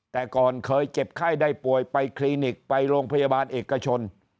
แต่ก่อนเคยเจ็บไข้ได้ป่วยไปคลินิกไปโรงพยาบาลเอกชน